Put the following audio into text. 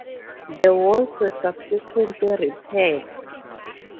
The walls were subsequently repaired.